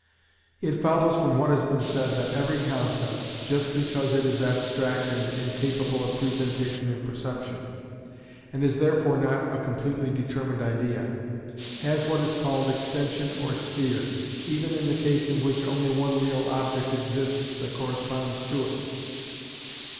It follows from what has been said that every concept, just because it is abstract and incapable of presentation in perception, and is therefore not a completely determined idea, has what is called extension or sphere, even in the case in which only one real object exists that corresponds to it.